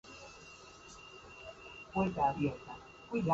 Prados calcáreos secos, laderas pedregosas.